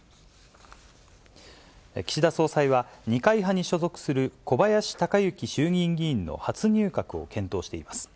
岸田総裁は、二階派に所属する小林鷹之衆議院議員の初入閣を検討しています。